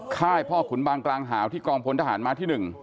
ค่ายพ่อขุนบางกลางหาวที่กองพลทหารมาที่๑